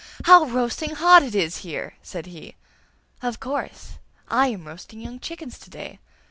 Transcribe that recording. How roasting hot it is here!' said he. 'Of course! I am roasting young chickens to day!